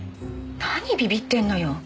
何ビビッてんのよ。